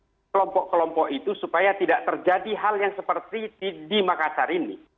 untuk kelompok kelompok itu supaya tidak terjadi hal yang seperti di makassar ini